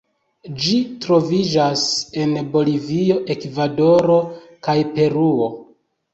Ĝi troviĝas en Bolivio, Ekvadoro kaj Peruo.